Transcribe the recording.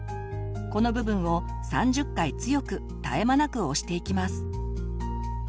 この部分を３０回強く絶え間なく押していきます。